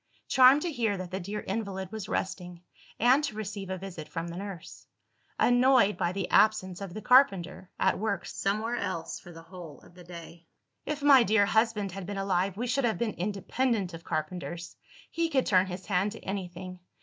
Charmed to hear that the dear invalid was resting, and to receive a visit from the nurse: annoyed by the absence of the carpenter, at work somewhere else for the whole of the day. "If my dear husband had been alive, we should have been independent of carpenters; he could turn his hand to anything.